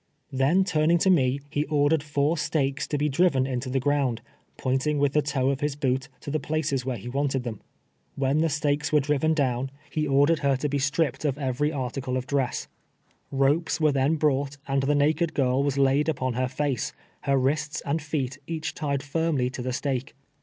Then turning to me, he ordered four stakes to be driven into the ground, pointing with the toe of his boot to the places where he wanted them. When the stakes were driven down, he ordered her to be strip 250 TWELVE YEARS A SLAVE. I)ed of every article of dress. Ropes Avere then broii<;lit, and the naked girl was laid upon lier face, lier wrists and feet each tied firmly to a stake.